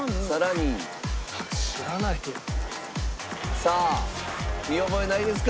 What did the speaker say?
さあ見覚えないですか？